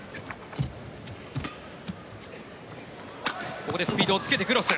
ここでスピードをつけてクロス。